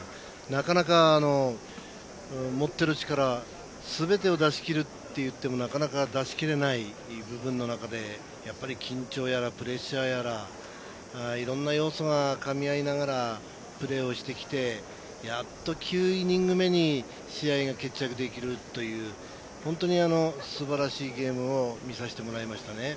なかなか持ってる力すべてを出しきるっていってもなかなか出しきれない部分の中でやっぱり緊張やらプレッシャーやらいろんな要素がかみ合いながらプレーをしてきてやっと９イニング目に試合が決着できるっていう本当にすばらしいゲームを見させてもらいましたね。